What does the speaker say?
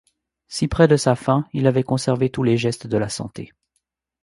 Si près de sa fin il avait conservé tous les gestes de la santé.